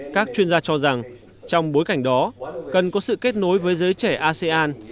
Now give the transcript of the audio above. các chuyên gia cho rằng trong bối cảnh đó cần có sự kết nối với giới trẻ asean